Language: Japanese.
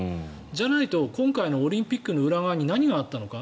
じゃないと今回のオリンピックの裏側に何があったのか。